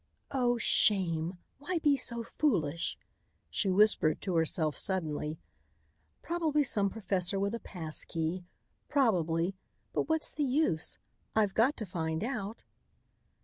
"Oh! Shame! Why be so foolish?" she whispered to herself suddenly. "Probably some professor with a pass key. Probably but what's the use? I've got to find out."